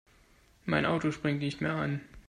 Mein Auto springt nicht mehr an.